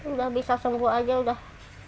udah bisa sembuh aja udah